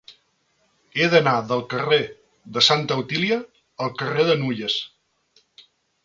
He d'anar del carrer de Santa Otília al carrer de Nulles.